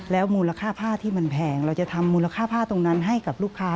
มูลค่าผ้าที่มันแพงเราจะทำมูลค่าผ้าตรงนั้นให้กับลูกค้า